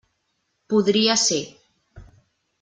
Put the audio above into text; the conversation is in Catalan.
Podria ser.